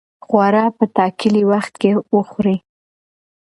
خواړه په ټاکلي وخت کې وخورئ.